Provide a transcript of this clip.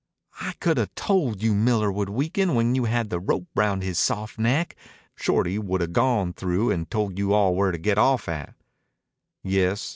"I could 'a' told you Miller would weaken when you had the rope round his soft neck. Shorty would 'a' gone through and told you all where to get off at." "Yes.